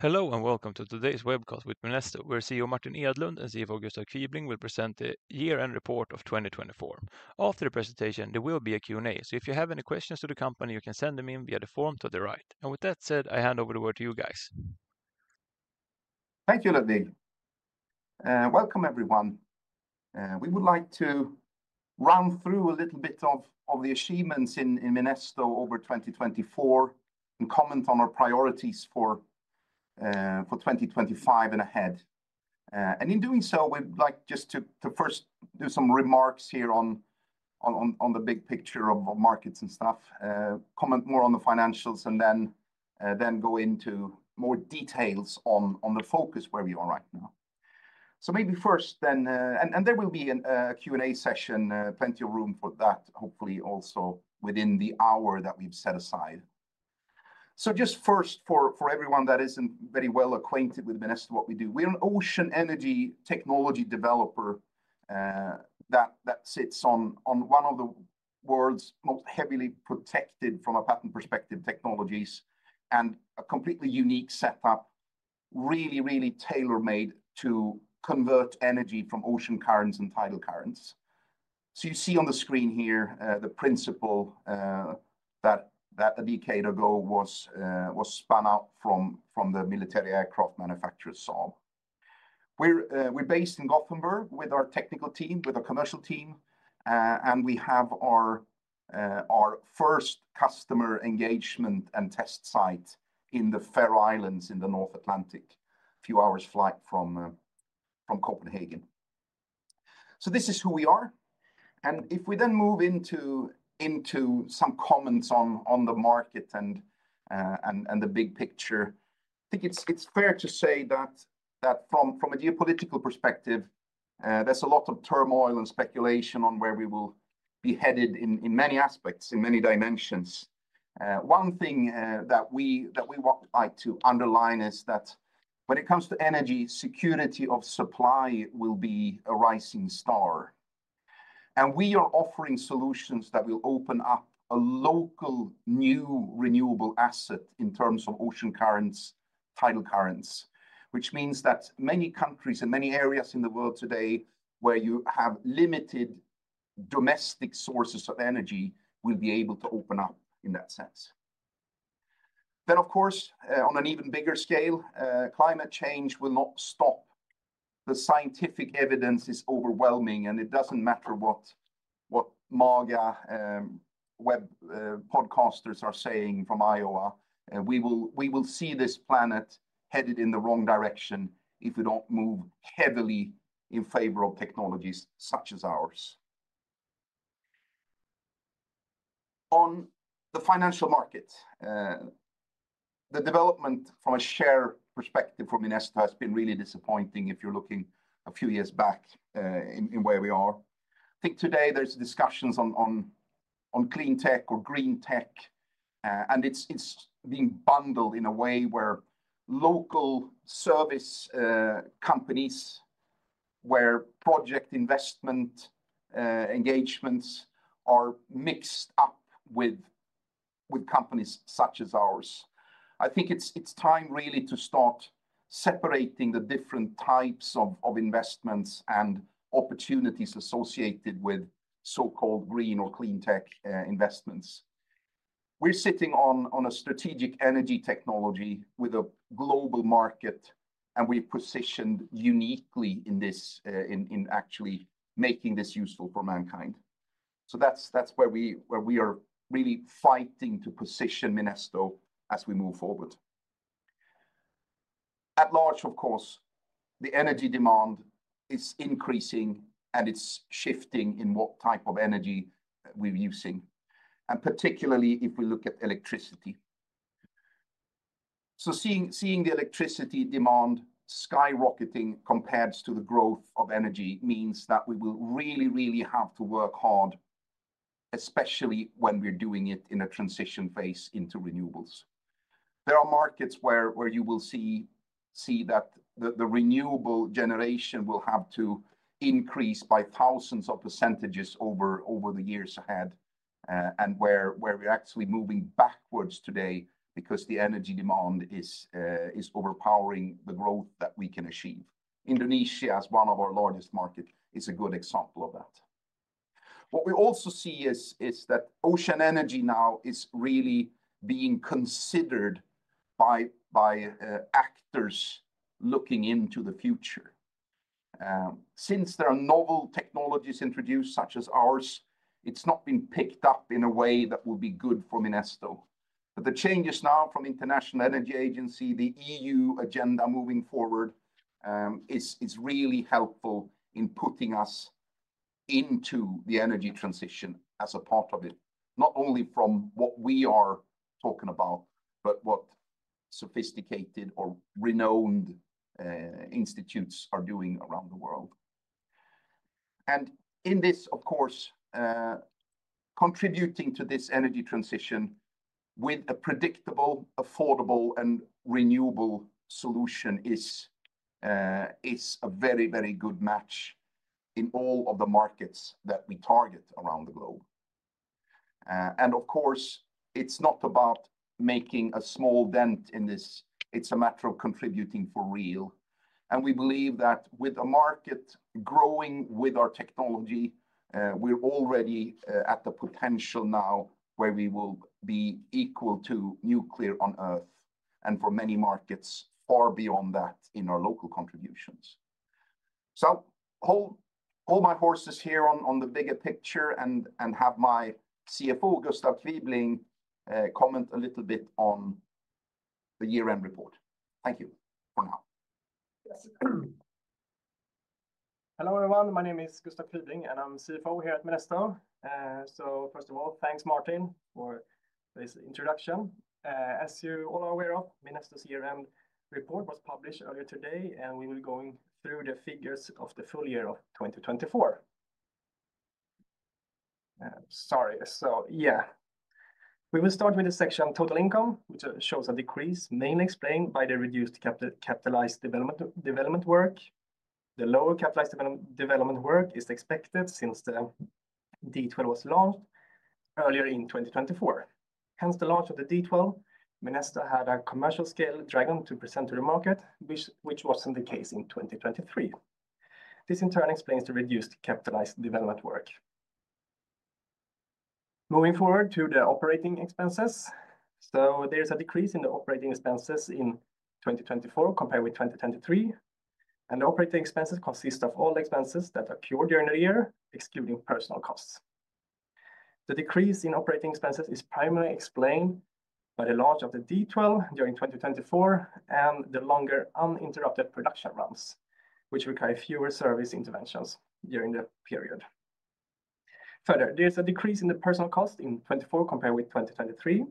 Hello and welcome to today's webcast with Minesto, where CEO Martin Edlund and CFO Gustav Kvibling will present the year-end report of 2024. After the presentation, there will be a Q&A, so if you have any questions for the company, you can send them in via the form to the right. With that said, I hand over the word to you guys. Thank you, Ludwig. Welcome, everyone. We would like to run through a little bit of the achievements in Minesto over 2024 and comment on our priorities for 2025 and ahead. In doing so, we'd like just to first do some remarks here on the big picture of markets and stuff, comment more on the financials, and then go into more details on the focus where we are right now. Maybe first then, there will be a Q&A session, plenty of room for that, hopefully also within the hour that we've set aside. Just first, for everyone that isn't very well acquainted with Minesto, what we do, we're an ocean energy technology developer that sits on one of the world's most heavily protected from a patent perspective technologies and a completely unique setup, really, really tailor-made to convert energy from ocean currents and tidal currents. You see on the screen here the principle that a decade ago was spun out from the military aircraft manufacturer Saab AB. We're based in Gothenburg with our technical team, with our commercial team, and we have our first customer engagement and test site in the Faroe Islands in the North Atlantic, a few hours flight from Copenhagen. This is who we are. If we then move into some comments on the market and the big picture, I think it's fair to say that from a geopolitical perspective, there's a lot of turmoil and speculation on where we will be headed in many aspects, in many dimensions. One thing that we would like to underline is that when it comes to energy, security of supply will be a rising star. We are offering solutions that will open up a local new renewable asset in terms of ocean currents, tidal currents, which means that many countries and many areas in the world today where you have limited domestic sources of energy will be able to open up in that sense. Of course, on an even bigger scale, climate change will not stop. The scientific evidence is overwhelming, and it does not matter what MAGA podcasters are saying from Iowa, we will see this planet headed in the wrong direction if we do not move heavily in favor of technologies such as ours. On the financial market, the development from a share perspective for Minesto has been really disappointing if you are looking a few years back in where we are. I think today there's discussions on clean tech or green tech, and it's being bundled in a way where local service companies, where project investment engagements are mixed up with companies such as ours. I think it's time really to start separating the different types of investments and opportunities associated with so-called green or clean tech investments. We're sitting on a strategic energy technology with a global market, and we're positioned uniquely in this in actually making this useful for mankind. That's where we are really fighting to position Minesto as we move forward. At large, of course, the energy demand is increasing, and it's shifting in what type of energy we're using, and particularly if we look at electricity. Seeing the electricity demand skyrocketing compared to the growth of energy means that we will really, really have to work hard, especially when we're doing it in a transition phase into renewables. There are markets where you will see that the renewable generation will have to increase by thousands of % over the years ahead, and where we're actually moving backwards today because the energy demand is overpowering the growth that we can achieve. Indonesia, as one of our largest markets, is a good example of that. What we also see is that ocean energy now is really being considered by actors looking into the future. Since there are novel technologies introduced such as ours, it's not been picked up in a way that will be good for Minesto. The changes now from the International Energy Agency, the EU agenda moving forward, it's really helpful in putting us into the energy transition as a part of it, not only from what we are talking about, but what sophisticated or renowned institutes are doing around the world. In this, of course, contributing to this energy transition with a predictable, affordable, and renewable solution is a very, very good match in all of the markets that we target around the globe. Of course, it is not about making a small dent in this. It is a matter of contributing for real. We believe that with a market growing with our technology, we are already at the potential now where we will be equal to nuclear on Earth and for many markets far beyond that in our local contributions. Hold my horses here on the bigger picture and have my CFO, Gustav Kvibling, comment a little bit on the year-end report. Thank you for now. Hello everyone. My name is Gustav Kvibling, and I'm CFO here at Minesto. First of all, thanks, Martin, for this introduction. As you all are aware of, Minesto's year-end report was published earlier today, and we will be going through the figures of the full year of 2024. Sorry. We will start with the section total income, which shows a decrease mainly explained by the reduced capitalized development work. The lower capitalized development work is expected since the D12 was launched earlier in 2024. Hence the launch of the D12, Minesto had a commercial scale Dragon to present to the market, which wasn't the case in 2023. This in turn explains the reduced capitalized development work. Moving forward to the operating expenses. There is a decrease in the operating expenses in 2024 compared with 2023. The operating expenses consist of all expenses that occur during the year, excluding personnel costs. The decrease in operating expenses is primarily explained by the launch of the Dragon 12 during 2024 and the longer uninterrupted production runs, which require fewer service interventions during the period. Further, there is a decrease in the personnel cost in 2024 compared with 2023.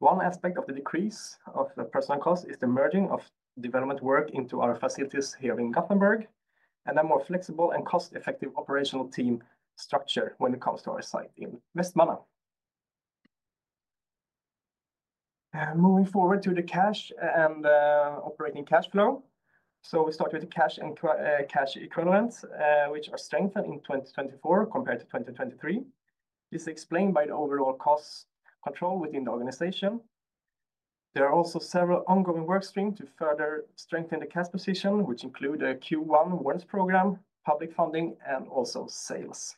One aspect of the decrease of the personnel cost is the merging of development work into our facilities here in Gothenburg and a more flexible and cost-effective operational team structure when it comes to our site in Vestmanna. Moving forward to the cash and operating cash flow. We start with the cash and cash equivalents, which are strengthened in 2024 compared to 2023. This is explained by the overall cost control within the organization. There are also several ongoing work streams to further strengthen the cash position, which include a Q1 warrant program, public funding, and also sales.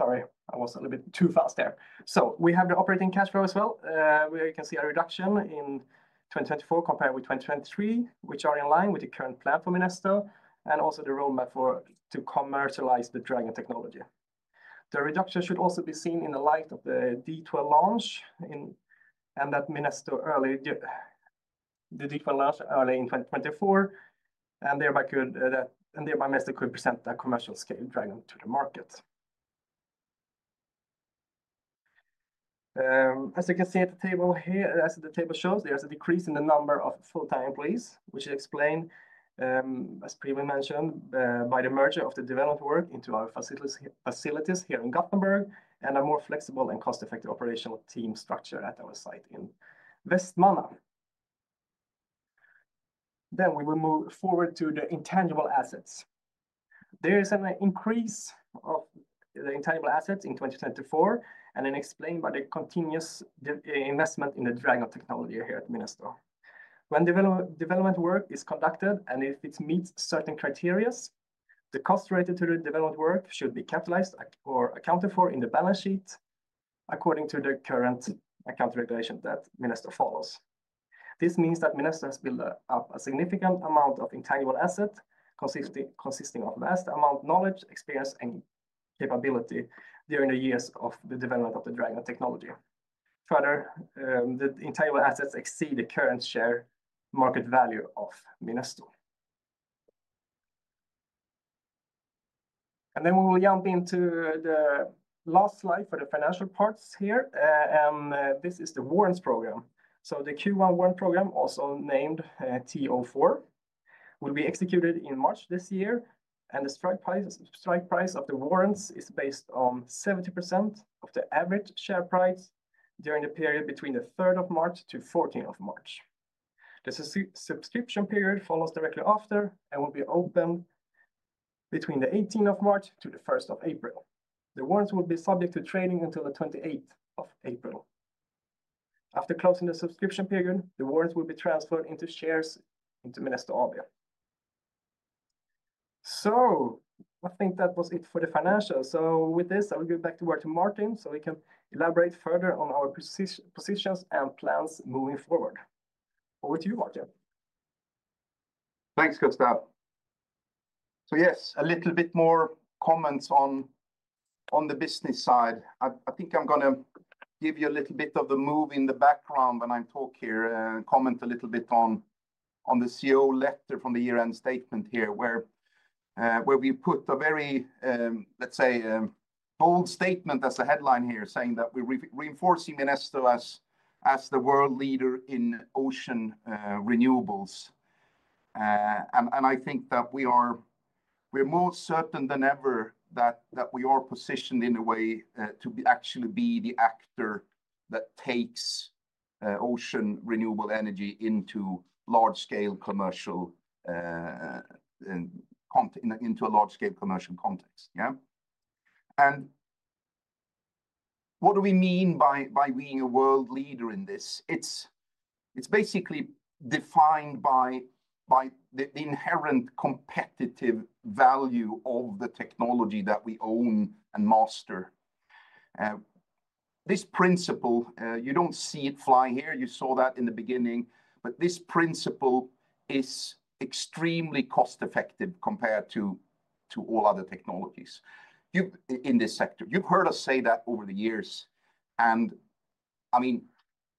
Sorry, I was a little bit too fast there. We have the operating cash flow as well. We can see a reduction in 2024 compared with 2023, which are in line with the current plan for Minesto and also the roadmap to commercialize the Dragon technology. The reduction should also be seen in the light of the D12 launch and that Minesto early, the D12 launch early in 2024, and thereby Minesto could present a commercial scale Dragon to the market. As you can see at the table here, as the table shows, there is a decrease in the number of full-time employees, which is explained, as previously mentioned, by the merger of the development work into our facilities here in Gothenburg and a more flexible and cost-effective operational team structure at our site in Vestmanna. We will move forward to the intangible assets. There is an increase of the intangible assets in 2024 and then explained by the continuous investment in the Dragon technology here at Minesto. When development work is conducted and if it meets certain criteria, the cost related to the development work should be capitalized or accounted for in the balance sheet according to the current account regulation that Minesto follows. This means that Minesto has built up a significant amount of intangible asset consisting of vast amounts of knowledge, experience, and capability during the years of the development of the Dragon technology. Further, the intangible assets exceed the current share market value of Minesto. We will jump into the last slide for the financial parts here. This is the warrants program. The Q1 warrant program, also named TO4, will be executed in March this year. The strike price of the warrants is based on 70% of the average share price during the period between the 3rd of March to 14th of March. The subscription period follows directly after and will be open between the 18th of March to the 1st of April. The warrants will be subject to trading until the 28th of April. After closing the subscription period, the warrants will be transferred into shares into Minesto AB. I think that was it for the financials. With this, I will give back the word to Martin so we can elaborate further on our positions and plans moving forward. Over to you, Martin. Thanks, Gustav. Yes, a little bit more comments on the business side. I think I'm going to give you a little bit of the move in the background when I talk here and comment a little bit on the CEO letter from the year-end statement here where we put a very, let's say, bold statement as a headline here saying that we're reinforcing Minesto as the world leader in ocean renewables. I think that we are more certain than ever that we are positioned in a way to actually be the actor that takes ocean renewable energy into a large-scale commercial context. Yeah. What do we mean by being a world leader in this? It's basically defined by the inherent competitive value of the technology that we own and master. This principle, you don't see it fly here. You saw that in the beginning, but this principle is extremely cost-effective compared to all other technologies in this sector. You've heard us say that over the years. I mean,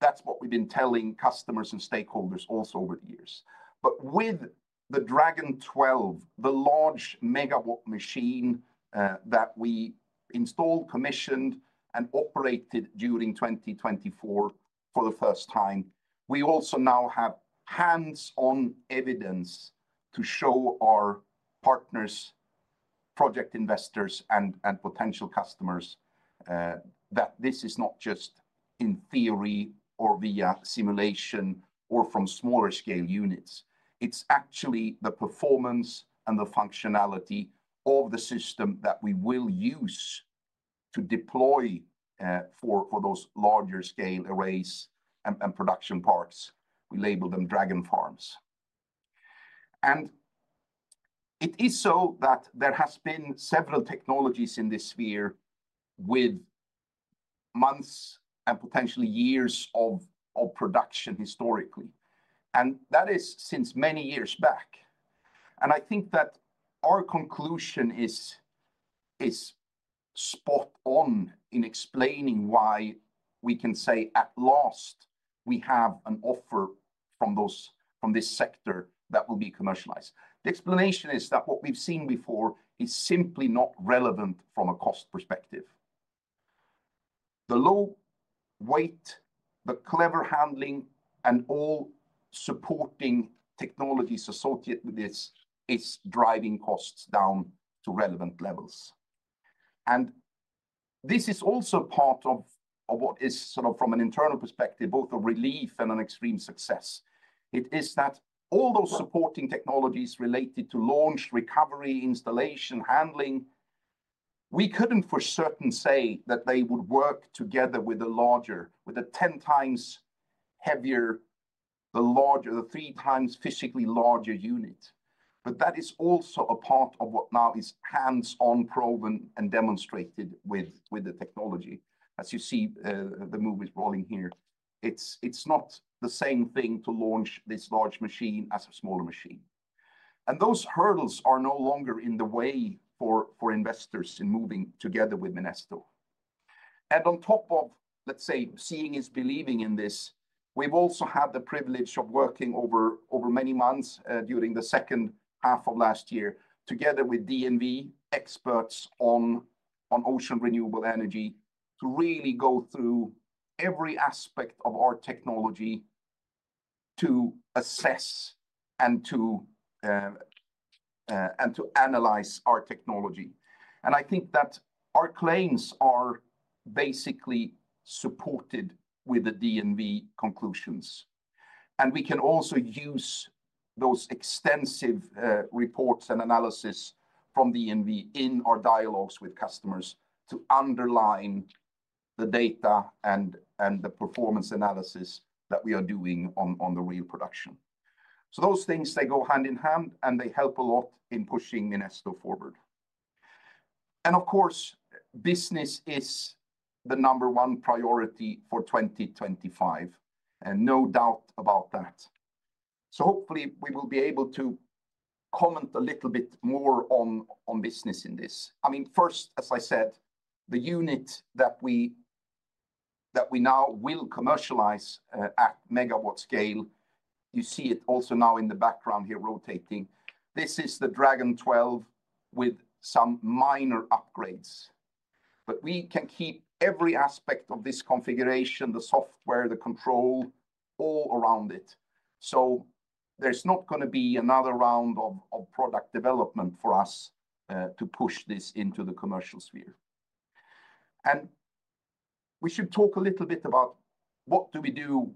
that's what we've been telling customers and stakeholders also over the years. With the Dragon 12, the large megawatt machine that we installed, commissioned, and operated during 2024 for the first time, we also now have hands-on evidence to show our partners, project investors, and potential customers that this is not just in theory or via simulation or from smaller scale units. It's actually the performance and the functionality of the system that we will use to deploy for those larger scale arrays and production parts. We label them Dragon Farms. It is so that there have been several technologies in this sphere with months and potentially years of production historically. That is since many years back. I think that our conclusion is spot on in explaining why we can say at last we have an offer from this sector that will be commercialized. The explanation is that what we've seen before is simply not relevant from a cost perspective. The low weight, the clever handling, and all supporting technologies associated with this is driving costs down to relevant levels. This is also part of what is sort of from an internal perspective, both a relief and an extreme success. It is that all those supporting technologies related to launch, recovery, installation, handling, we could not for certain say that they would work together with a larger, with a 10 times heavier, the larger, the three times physically larger unit. That is also a part of what now is hands-on proven and demonstrated with the technology. As you see, the movie's rolling here. It's not the same thing to launch this large machine as a smaller machine. Those hurdles are no longer in the way for investors in moving together with Minesto. On top of, let's say, seeing is believing in this, we've also had the privilege of working over many months during the second half of last year together with DNV experts on ocean renewable energy to really go through every aspect of our technology to assess and to analyze our technology. I think that our claims are basically supported with the DNV conclusions. We can also use those extensive reports and analysis from DNV in our dialogues with customers to underline the data and the performance analysis that we are doing on the real production. Those things, they go hand in hand and they help a lot in pushing Minesto forward. Of course, business is the number one priority for 2025. No doubt about that. Hopefully we will be able to comment a little bit more on business in this. I mean, first, as I said, the unit that we now will commercialize at megawatt scale, you see it also now in the background here rotating. This is the Dragon 12 with some minor upgrades. We can keep every aspect of this configuration, the software, the control all around it. There is not going to be another round of product development for us to push this into the commercial sphere. We should talk a little bit about what do we do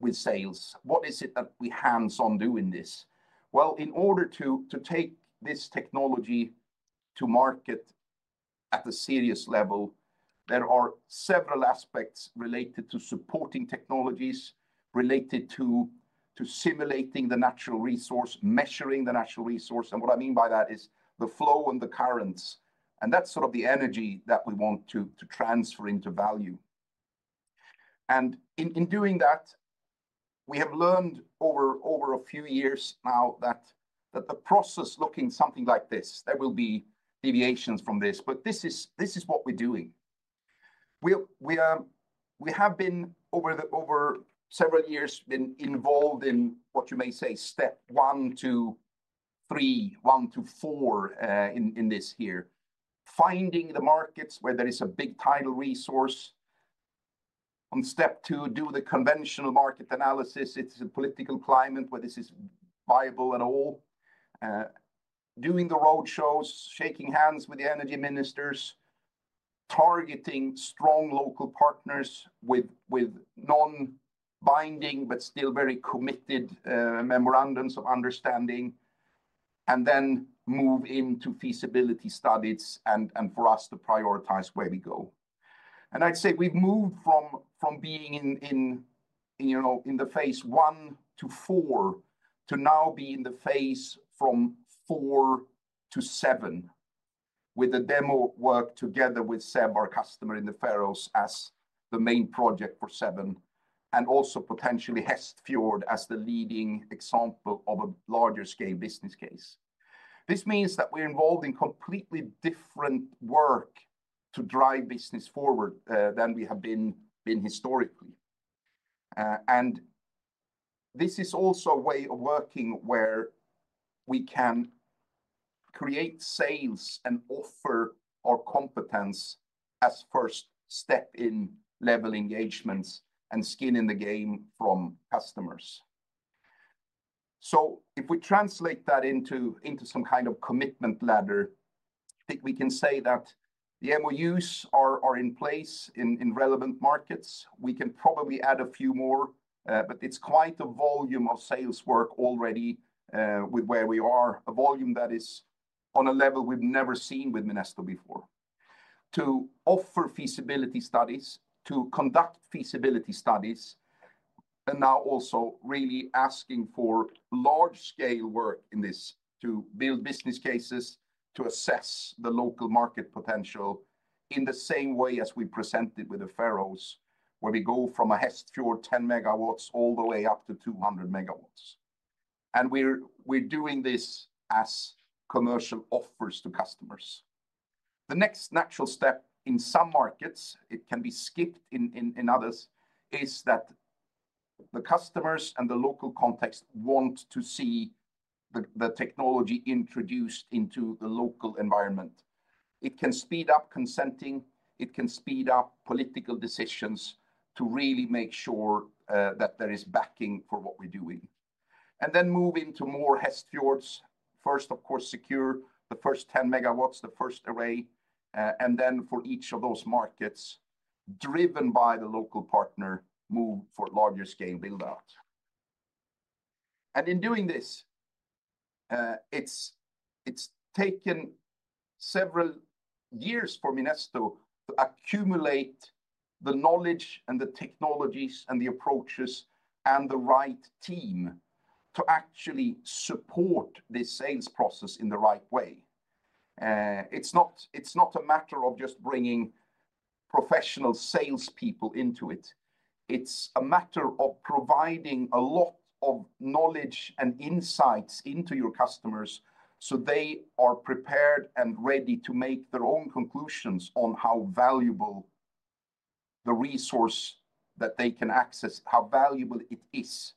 with sales. What is it that we hands-on do in this? In order to take this technology to market at a serious level, there are several aspects related to supporting technologies related to simulating the natural resource, measuring the natural resource. What I mean by that is the flow and the currents. That is sort of the energy that we want to transfer into value. In doing that, we have learned over a few years now that the process looks something like this. There will be deviations from this, but this is what we're doing. We have been over several years been involved in what you may say step one to three, one to four in this here. Finding the markets where there is a big tidal resource. On step two, do the conventional market analysis. It's a political climate where this is viable at all. Doing the road shows, shaking hands with the energy ministers, targeting strong local partners with non-binding but still very committed memorandums of understanding. We move into feasibility studies and for us to prioritize where we go. I'd say we've moved from being in the phase one to four to now be in the phase from four to seven with the demo work together with SEV, our customer in the Faroe Islands, as the main project for seven, and also potentially Hestfjord as the leading example of a larger scale business case. This means that we're involved in completely different work to drive business forward than we have been historically. This is also a way of working where we can create sales and offer our competence as first step in level engagements and skin in the game from customers. If we translate that into some kind of commitment ladder, I think we can say that the MOUs are in place in relevant markets. We can probably add a few more, but it's quite a volume of sales work already with where we are, a volume that is on a level we've never seen with Minesto before. To offer feasibility studies, to conduct feasibility studies, and now also really asking for large scale work in this to build business cases to assess the local market potential in the same way as we presented with the Faroes, where we go from a Hestfjord 10 megawatts all the way up to 200 megawatts. We're doing this as commercial offers to customers. The next natural step in some markets, it can be skipped in others, is that the customers and the local context want to see the technology introduced into the local environment. It can speed up consenting. It can speed up political decisions to really make sure that there is backing for what we are doing. Then move into more Hestfjords. First, of course, secure the first 10 megawatts, the first array, and then for each of those markets, driven by the local partner, move for larger scale build-out. In doing this, it has taken several years for Minesto to accumulate the knowledge and the technologies and the approaches and the right team to actually support this sales process in the right way. It is not a matter of just bringing professional salespeople into it. It's a matter of providing a lot of knowledge and insights into your customers so they are prepared and ready to make their own conclusions on how valuable the resource that they can access is, how valuable it is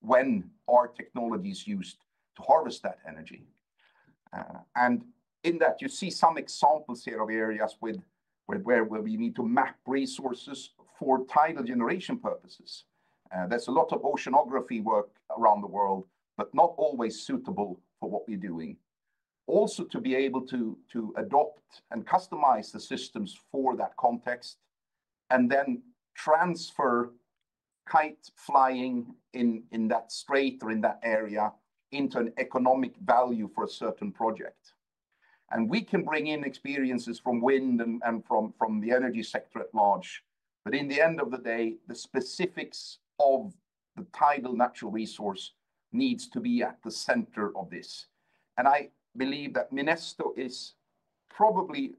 when our technology is used to harvest that energy. You see some examples here of areas where we need to map resources for tidal generation purposes. There is a lot of oceanography work around the world, but not always suitable for what we are doing. Also, to be able to adopt and customize the systems for that context and then transfer kite flying in that strait or in that area into an economic value for a certain project. We can bring in experiences from wind and from the energy sector at large. In the end of the day, the specifics of the tidal natural resource need to be at the center of this. I believe that Minesto is probably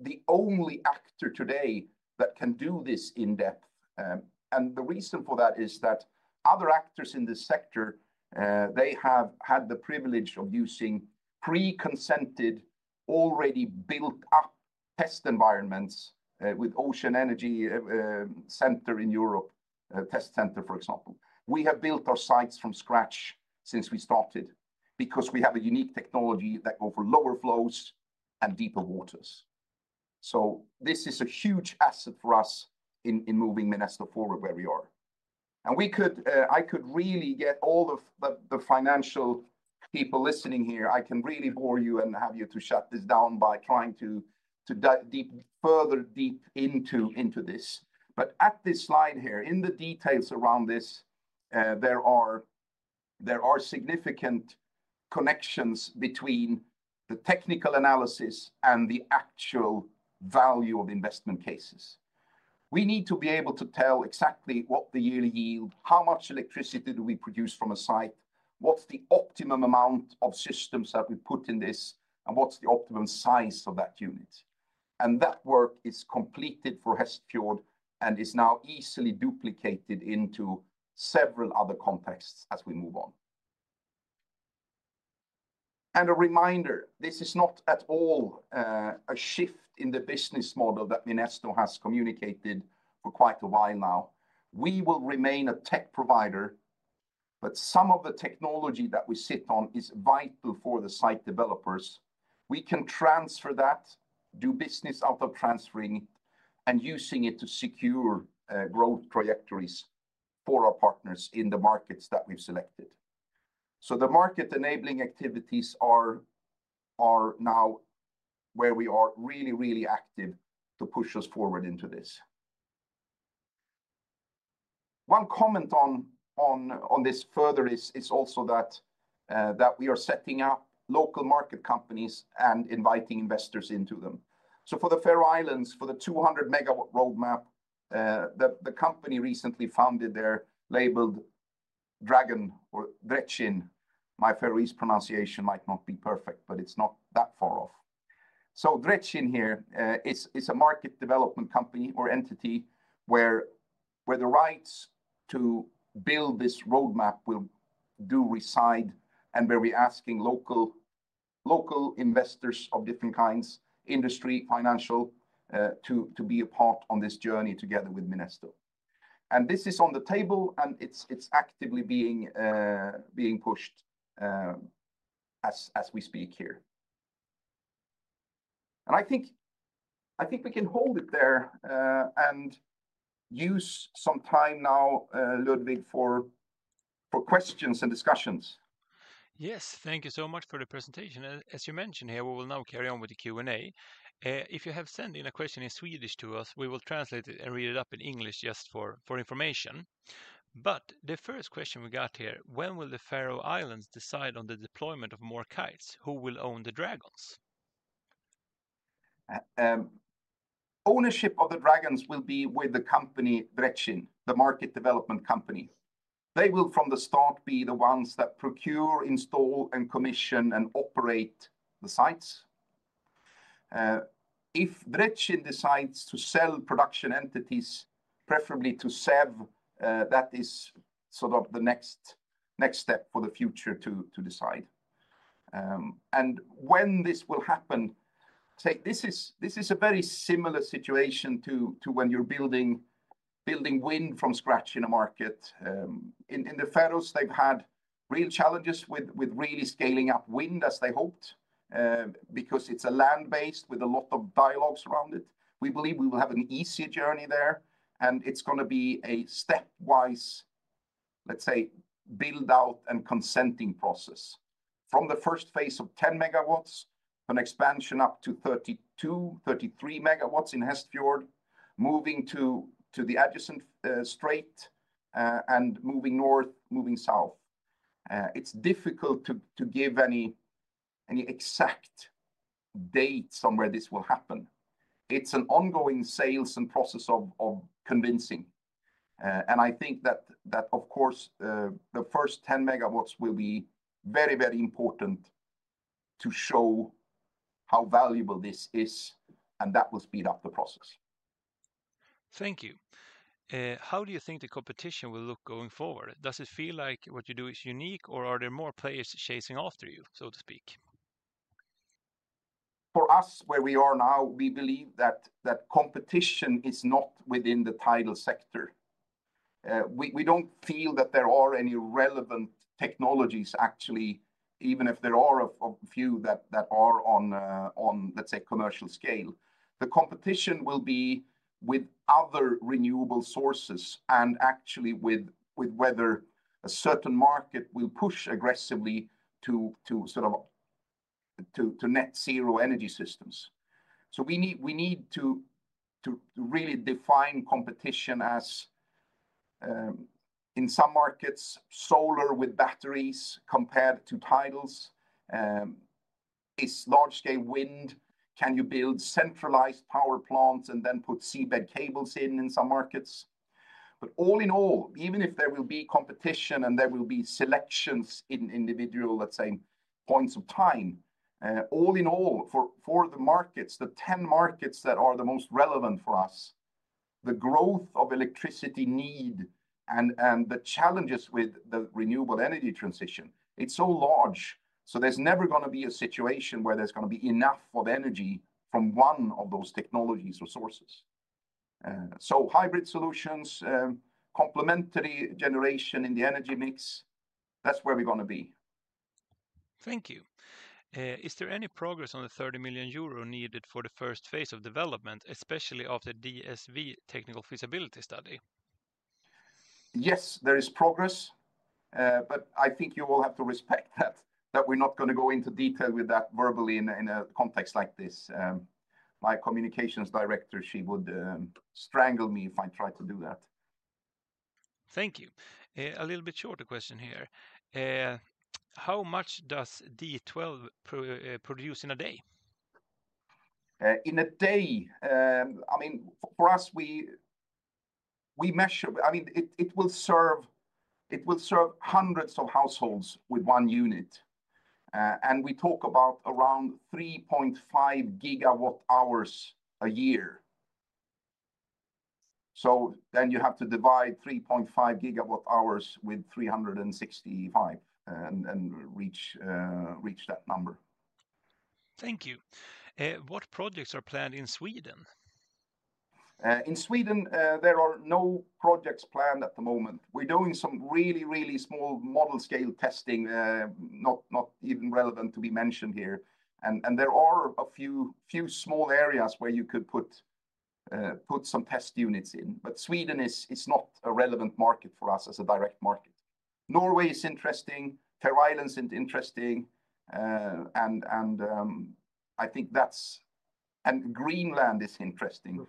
the only actor today that can do this in depth. The reason for that is that other actors in this sector have had the privilege of using pre-consented, already built-up test environments with Ocean Energy Center in Europe, test center, for example. We have built our sites from scratch since we started because we have a unique technology that goes for lower flows and deeper waters. This is a huge asset for us in moving Minesto forward where we are. I could really get all of the financial people listening here. I can really bore you and have you shut this down by trying to dig further deep into this. At this slide here, in the details around this, there are significant connections between the technical analysis and the actual value of investment cases. We need to be able to tell exactly what the yearly yield, how much electricity do we produce from a site, what's the optimum amount of systems that we put in this, and what's the optimum size of that unit. That work is completed for Hestfjord and is now easily duplicated into several other contexts as we move on. A reminder, this is not at all a shift in the business model that Minesto has communicated for quite a while now. We will remain a tech provider, but some of the technology that we sit on is vital for the site developers. We can transfer that, do business out of transferring it, and using it to secure growth trajectories for our partners in the markets that we've selected. The market enabling activities are now where we are really, really active to push us forward into this. One comment on this further is also that we are setting up local market companies and inviting investors into them. For the Faroe Islands, for the 200 megawatt roadmap, the company recently founded there labeled Dragon or Drekin. My Faroese pronunciation might not be perfect, but it's not that far off. Drekin here is a market development company or entity where the rights to build this roadmap will do reside and where we're asking local investors of different kinds, industry, financial, to be a part on this journey together with Minesto. This is on the table and it's actively being pushed as we speak here. I think we can hold it there and use some time now, Ludwig, for questions and discussions. Yes, thank you so much for the presentation. As you mentioned here, we will now carry on with the Q&A. If you have sent in a question in Swedish to us, we will translate it and read it up in English just for information. The first question we got here, when will the Faroe Islands decide on the deployment of more kites? Who will own the dragons? Ownership of the dragons will be with the company Drekin, the market development company. They will, from the start, be the ones that procure, install, commission, and operate the sites. If Drekin decides to sell production entities, preferably to SEV, that is sort of the next step for the future to decide. When this will happen, this is a very similar situation to when you're building wind from scratch in a market. In the Faroe Islands, they've had real challenges with really scaling up wind as they hoped because it's land-based with a lot of dialogues around it. We believe we will have an easier journey there. It's going to be a stepwise, let's say, build-out and consenting process. From the first phase of 10 megawatts, an expansion up to 32-33 megawatts in Hestfjord, moving to the adjacent strait and moving north, moving south. It's difficult to give any exact date on where this will happen. It's an ongoing sales and process of convincing. I think that, of course, the first 10 megawatts will be very, very important to show how valuable this is, and that will speed up the process. Thank you. How do you think the competition will look going forward? Does it feel like what you do is unique, or are there more players chasing after you, so to speak? For us, where we are now, we believe that competition is not within the tidal sector. We do not feel that there are any relevant technologies, actually, even if there are a few that are on, let's say, commercial scale. The competition will be with other renewable sources and actually with whether a certain market will push aggressively to sort of net zero energy systems. We need to really define competition as in some markets, solar with batteries compared to tidals. It is large scale wind. Can you build centralized power plants and then put seabed cables in in some markets? Even if there will be competition and there will be selections in individual, let's say, points of time, all in all, for the markets, the 10 markets that are the most relevant for us, the growth of electricity need and the challenges with the renewable energy transition, it's so large. There's never going to be a situation where there's going to be enough of energy from one of those technologies or sources. Hybrid solutions, complementary generation in the energy mix, that's where we're going to be. Thank you. Is there any progress on the 30 million euro needed for the first phase of development, especially after DNV technical feasibility study? Yes, there is progress, but I think you will have to respect that we're not going to go into detail with that verbally in a context like this. My Communications Director, she would strangle me if I tried to do that. Thank you. A little bit shorter question here. How much does D12 produce in a day? In a day, I mean, for us, we measure, I mean, it will serve hundreds of households with one unit. And we talk about around 3.5 gigawatt hours a year. You have to divide 3.5 gigawatt hours with 365 and reach that number. Thank you. What projects are planned in Sweden? In Sweden, there are no projects planned at the moment. We're doing some really, really small model scale testing, not even relevant to be mentioned here. There are a few small areas where you could put some test units in. Sweden is not a relevant market for us as a direct market. Norway is interesting. Faroe Islands is interesting. I think Greenland is interesting,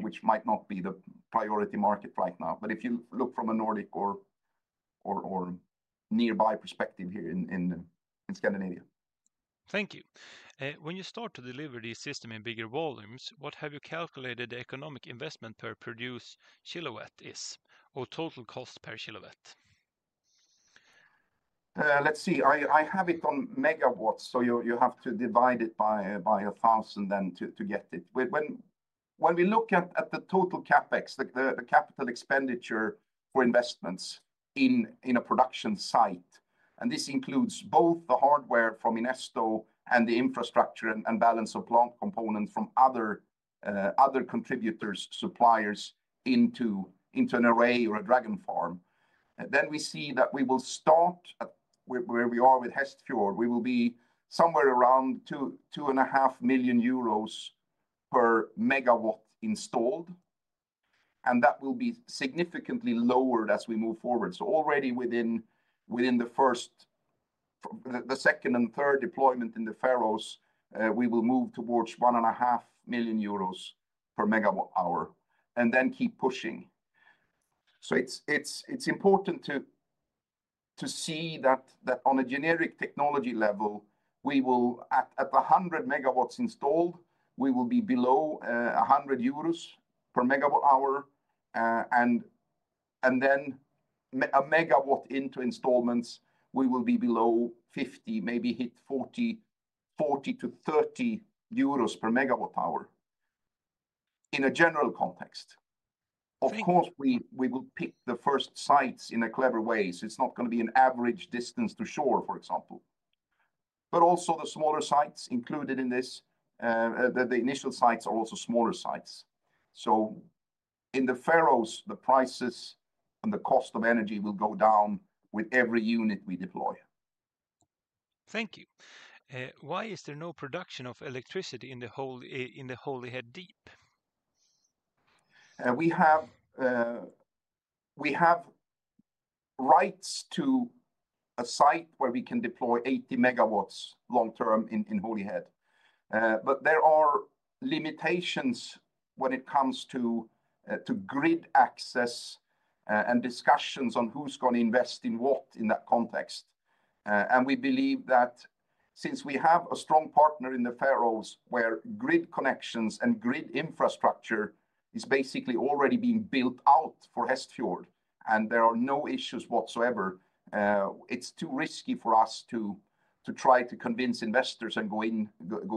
which might not be the priority market right now. If you look from a Nordic or nearby perspective here in Scandinavia. Thank you. When you start to deliver these systems in bigger volumes, what have you calculated the economic investment per produced kilowatt is or total cost per kilowatt? Let's see. I have it on megawatts, so you have to divide it by 1,000 then to get it. When we look at the total CapEx, the capital expenditure for investments in a production site, and this includes both the hardware from Minesto and the infrastructure and balance of plant components from other contributors, suppliers into an array or a Dragon Farm, we see that we will start where we are with Hestfjord. We will be somewhere around 2.5 million euros per megawatt installed. That will be significantly lowered as we move forward. Already within the first, the second, and third deployment in the Faroe Islands, we will move towards 1.5 million euros per megawatt and then keep pushing. It is important to see that on a generic technology level, at 100 megawatts installed, we will be below 100 euros per megawatt hour. A megawatt into installments, we will be below 50, maybe hit 40-30 euros per megawatt hour in a general context. Of course, we will pick the first sites in a clever way. It is not going to be an average distance to shore, for example. Also, the smaller sites included in this, the initial sites are also smaller sites. In the Faroe Islands, the prices and the cost of energy will go down with every unit we deploy. Thank you. Why is there no production of electricity in the Holyhead Deep? We have rights to a site where we can deploy 80 megawatts long term in Holyhead. There are limitations when it comes to grid access and discussions on who is going to invest in what in that context. We believe that since we have a strong partner in the Faroes where grid connections and grid infrastructure is basically already being built out for Hestfjord and there are no issues whatsoever, it's too risky for us to try to convince investors and go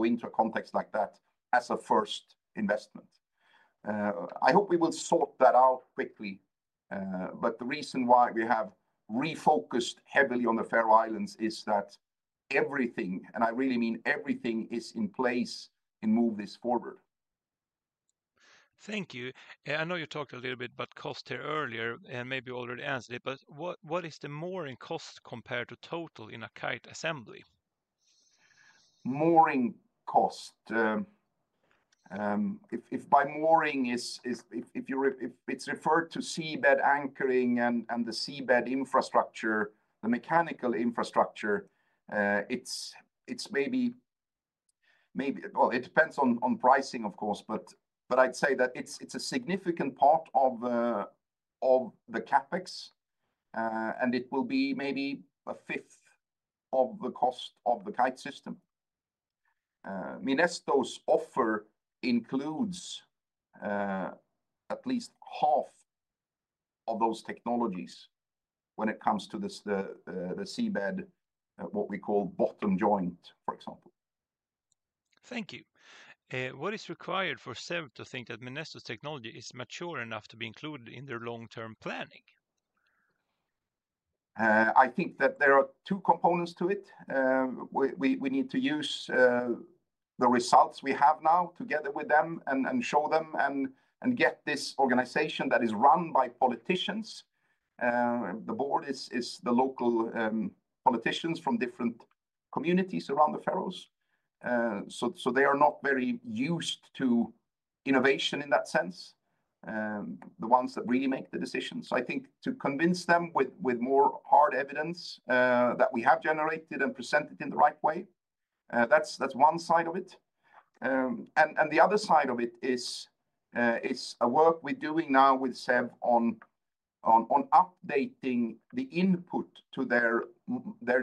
into a context like that as a first investment. I hope we will sort that out quickly. The reason why we have refocused heavily on the Faroe Islands is that everything, and I really mean everything, is in place in moving this forward. Thank you. I know you talked a little bit about cost here earlier and maybe already answered it, but what is the mooring cost compared to total in a kite assembly? Mooring cost. If by mooring, if it's referred to seabed anchoring and the seabed infrastructure, the mechanical infrastructure, it's maybe, it depends on pricing, of course, but I'd say that it's a significant part of the CapEx and it will be maybe a fifth of the cost of the kite system. Minesto's offer includes at least half of those technologies when it comes to the seabed, what we call bottom joint, for example. Thank you. What is required for SEV to think that Minesto's technology is mature enough to be included in their long-term planning? I think that there are two components to it. We need to use the results we have now together with them and show them and get this organization that is run by politicians. The board is the local politicians from different communities around the Faroes. They are not very used to innovation in that sense, the ones that really make the decisions. I think to convince them with more hard evidence that we have generated and presented in the right way, that's one side of it. The other side of it is a work we're doing now with SEV on updating the input to their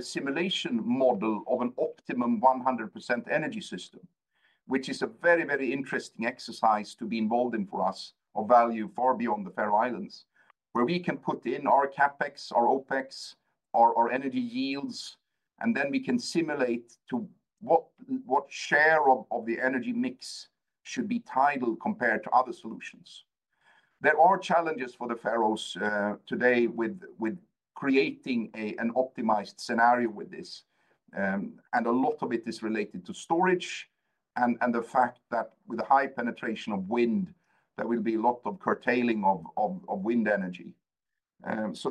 simulation model of an optimum 100% energy system, which is a very, very interesting exercise to be involved in for us of value far beyond the Faroe Islands, where we can put in our CapEx, our OpEx, our energy yields, and then we can simulate to what share of the energy mix should be tidal compared to other solutions. There are challenges for the Faroes today with creating an optimized scenario with this. A lot of it is related to storage and the fact that with a high penetration of wind, there will be a lot of curtailing of wind energy.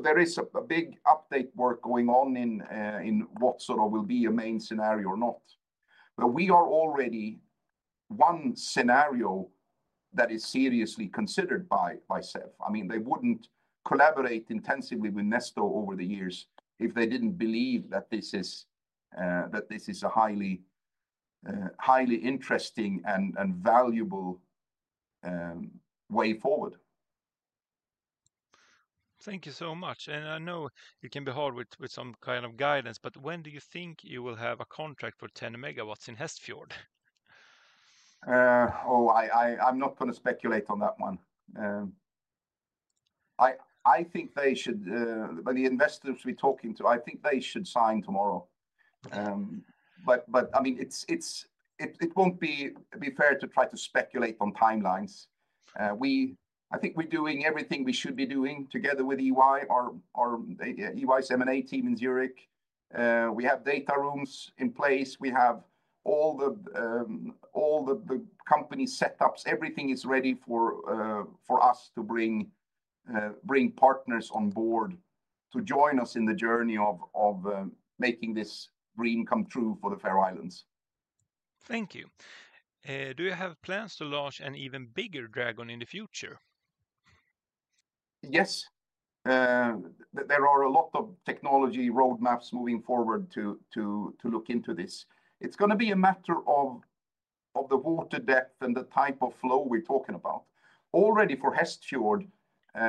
There is a big update work going on in what sort of will be a main scenario or not. We are already one scenario that is seriously considered by SEV. I mean, they would not collaborate intensively with Minesto over the years if they did not believe that this is a highly interesting and valuable way forward. Thank you so much. I know it can be hard with some kind of guidance, but when do you think you will have a contract for 10 megawatts in Hestfjord? Oh, I am not going to speculate on that one. I think they should, by the investors we are talking to, I think they should sign tomorrow. I mean, it won't be fair to try to speculate on timelines. I think we're doing everything we should be doing together with EY, our EY's M&A team in Zurich. We have data rooms in place. We have all the company setups. Everything is ready for us to bring partners on board to join us in the journey of making this dream come true for the Faroe Islands. Thank you. Do you have plans to launch an even bigger Dragon in the future? Yes. There are a lot of technology roadmaps moving forward to look into this. It's going to be a matter of the water depth and the type of flow we're talking about. Already for Hestfjord,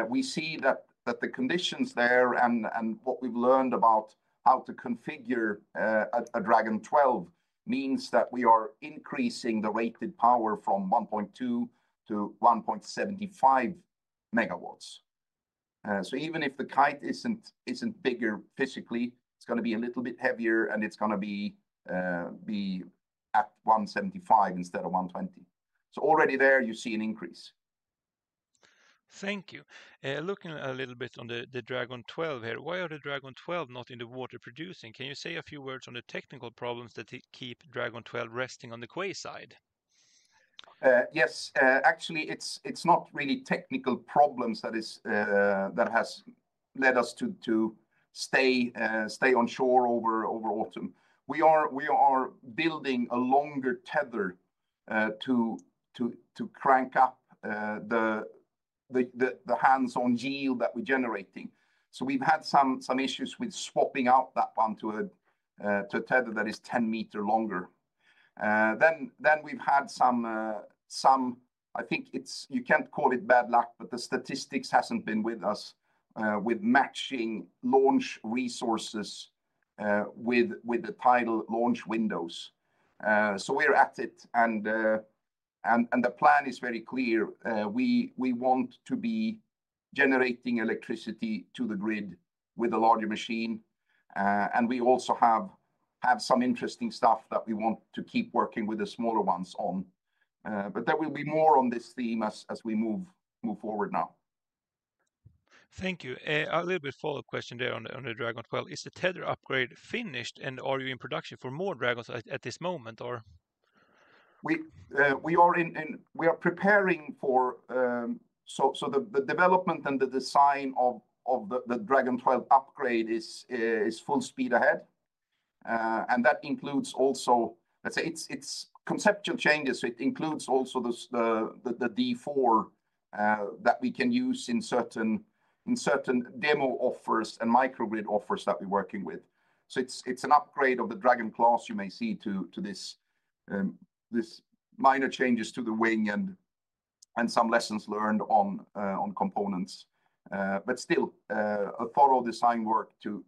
we see that the conditions there and what we've learned about how to configure a Dragon 12 means that we are increasing the rated power from 1.2 to 1.75 megawatts. Even if the kite is not bigger physically, it is going to be a little bit heavier and it is going to be at 175 instead of 120. Already there, you see an increase. Thank you. Looking a little bit on the Dragon 12 here, why are the Dragon 12 not in the water producing? Can you say a few words on the technical problems that keep Dragon 12 resting on the quayside? Yes. Actually, it is not really technical problems that has led us to stay on shore over autumn. We are building a longer tether to crank up the hands-on yield that we are generating. We have had some issues with swapping out that one to a tether that is 10 meters longer. We have had some, I think you cannot call it bad luck, but the statistics has not been with us with matching launch resources with the tidal launch windows. We're at it and the plan is very clear. We want to be generating electricity to the grid with a larger machine. We also have some interesting stuff that we want to keep working with the smaller ones on. There will be more on this theme as we move forward now. Thank you. A little bit follow-up question there on the Dragon 12. Is the tether upgrade finished and are you in production for more Dragons at this moment or? We are preparing for, so the development and the design of the Dragon 12 upgrade is full speed ahead. That includes also, let's say, its conceptual changes. It includes also the D4 that we can use in certain demo offers and microgrid offers that we're working with. It's an upgrade of the Dragon class, you may see to this, minor changes to the wing and some lessons learned on components. Still, a thorough design work to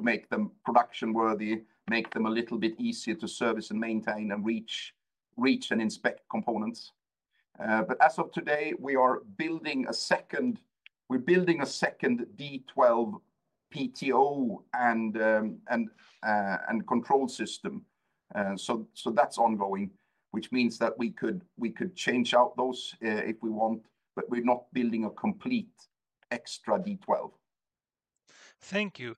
make them production worthy, make them a little bit easier to service and maintain and reach and inspect components. As of today, we are building a second, we're building a second D12 PTO and control system. That's ongoing, which means that we could change out those if we want, but we're not building a complete extra D12. Thank you.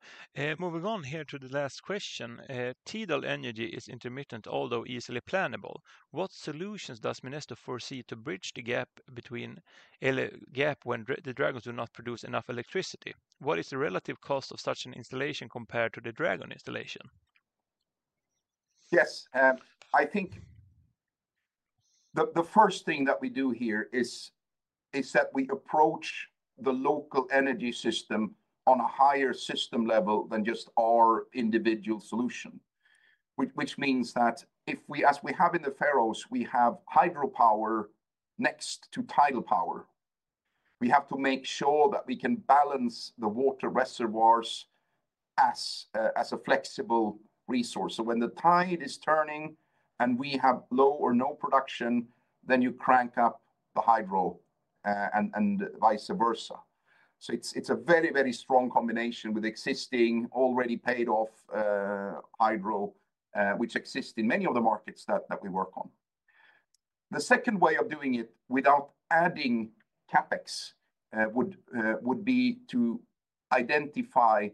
Moving on here to the last question. Tidal energy is intermittent, although easily plannable. What solutions does Minesto foresee to bridge the gap when the Dragons do not produce enough electricity? What is the relative cost of such an installation compared to the Dragon installation? Yes. I think the first thing that we do here is that we approach the local energy system on a higher system level than just our individual solution, which means that if we, as we have in the Faroes, we have hydropower next to tidal power. We have to make sure that we can balance the water reservoirs as a flexible resource. When the tide is turning and we have low or no production, you crank up the hydro and vice versa. It is a very, very strong combination with existing already paid off hydro, which exists in many of the markets that we work on. The second way of doing it without adding CapEx would be to identify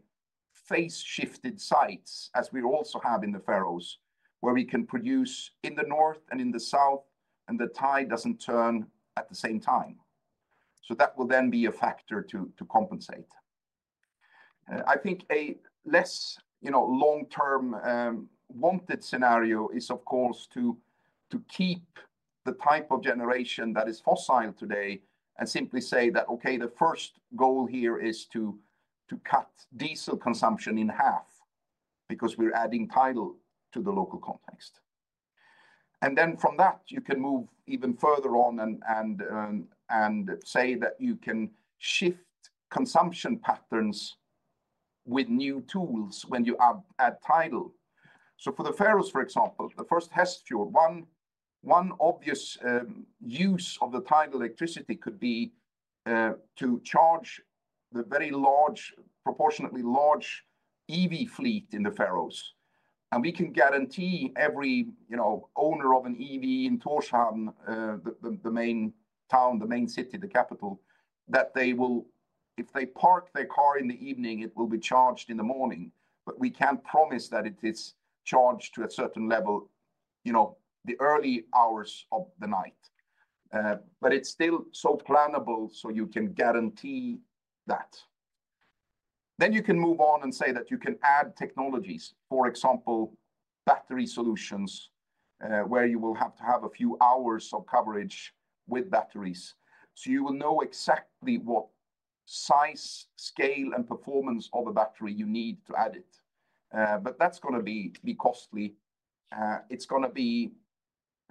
phase-shifted sites, as we also have in the Faroes, where we can produce in the north and in the south and the tide does not turn at the same time. That will then be a factor to compensate. I think a less long-term wanted scenario is, of course, to keep the type of generation that is fossil today and simply say that, okay, the first goal here is to cut diesel consumption in half because we're adding tidal to the local context. From that, you can move even further on and say that you can shift consumption patterns with new tools when you add tidal. For the Faroes, for example, the first Hestfjord, one obvious use of the tidal electricity could be to charge the very proportionately large EV fleet in the Faroes. We can guarantee every owner of an EV in Tórshavn, the main town, the main city, the capital, that if they park their car in the evening, it will be charged in the morning. We can't promise that it is charged to a certain level the early hours of the night. It is still so plannable, so you can guarantee that. You can move on and say that you can add technologies, for example, battery solutions, where you will have to have a few hours of coverage with batteries. You will know exactly what size, scale, and performance of a battery you need to add it. That is going to be costly. It is going to be,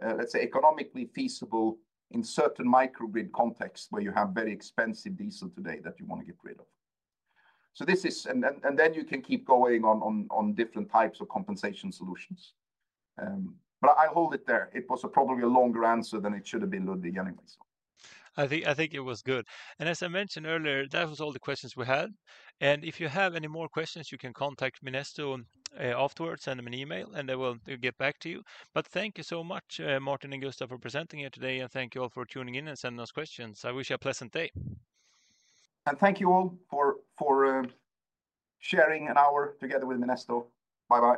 let's say, economically feasible in certain microgrid contexts where you have very expensive diesel today that you want to get rid of. This is, and you can keep going on different types of compensation solutions. I'll hold it there. It was probably a longer answer than it should have been at the beginning. I think it was good. As I mentioned earlier, that was all the questions we had. If you have any more questions, you can contact Minesto afterwards via email, and they will get back to you. Thank you so much, Martin and Gustav, for presenting here today. Thank you all for tuning in and sending us questions. I wish you a pleasant day. Thank you all for sharing an hour together with Minesto. Bye-bye.